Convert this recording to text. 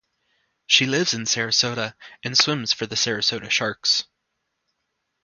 She lives in Sarasota and swims for the Sarasota Sharks.